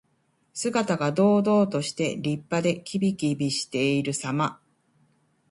姿が堂々として、立派で、きびきびしているさま。